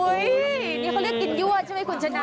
นี่เขาเรียกกินยั่วใช่ไหมคุณชนะ